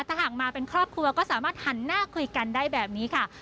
ถ้าหากมาเป็นครอบครัวก็สามารถหันหน้าคุยกันได้แบบนี้ค่ะ